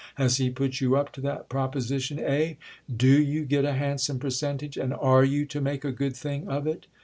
Has he put you up to that proposition, eh? Do you get a handsome percentage and are you to make a good thing of it?"